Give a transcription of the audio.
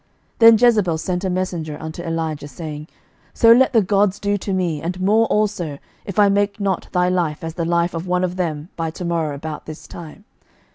11:019:002 Then Jezebel sent a messenger unto Elijah, saying, So let the gods do to me, and more also, if I make not thy life as the life of one of them by to morrow about this time.